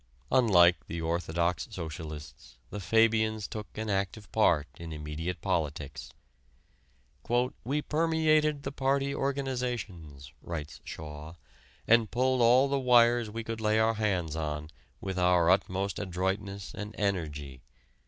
Unlike the orthodox socialists, the Fabians took an active part in immediate politics. "We permeated the party organizations," writes Shaw, "and pulled all the wires we could lay our hands on with our utmost adroitness and energy....